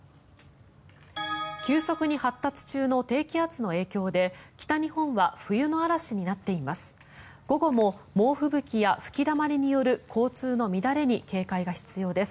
急速に発達中の低気圧の影響で北日本は冬の嵐になっています。